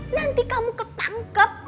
nanti kamu ketangkep